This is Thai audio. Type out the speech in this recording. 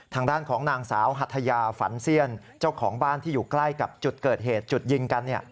ทางด้านของนางสาวหัทยาฝันเสี้ยนเจ้าของบ้านที่อยู่ใกล้กับจุดเกิดเหตุจุดยิงกัน